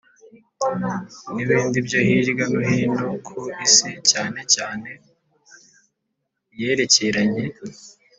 n ibindi byo hirya no hino ku Isi cyane cyane iyerekeranye